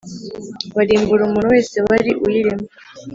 Barimbura umuntu wese wari uyirimo